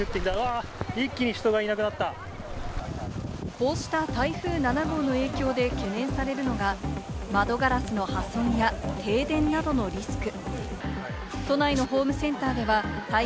こうした台風７号の影響で懸念されるのが、窓ガラスの破損や停電などのリスク。